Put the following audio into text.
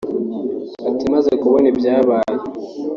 Ati “Maze kubona ibyabaye